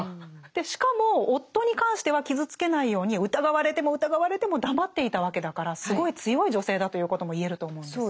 しかも夫に関しては傷つけないように疑われても疑われても黙っていたわけだからすごい強い女性だということも言えると思うんですが。